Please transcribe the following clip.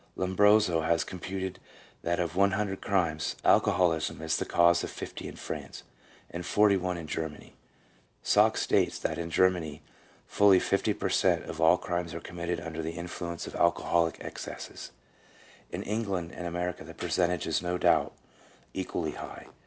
2 Lombroso has computed that of one hundred crimes, alcoholism is the cause of fifty in France, and forty one in Germany. Sachs states that in Germany " fully 50 per cent, of all crimes are committed under the influence of alcoholic excesses; in England and America the percentage is, no doubt, equally high."